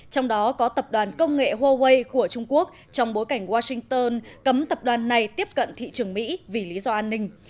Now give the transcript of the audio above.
trong đó có tập đoàn công nghệ huawei của trung quốc trong bối cảnh washington cấm tập đoàn này tiếp cận thị trường mỹ vì lý do an ninh